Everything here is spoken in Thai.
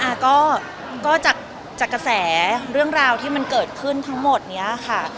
อ่าก็ก็จากจากกระแสเรื่องราวที่มันเกิดขึ้นทั้งหมดเนี้ยค่ะ